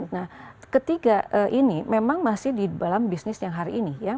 nah ketiga ini memang masih di dalam bisnis yang hari ini ya